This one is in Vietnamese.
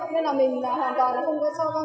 cho nên là mình hoàn toàn không có cho con